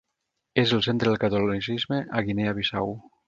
És el centre del catolicisme a Guinea Bissau.